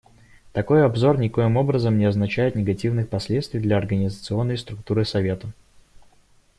Такой обзор никоим образом не означает негативных последствий для организационной структуры Совета.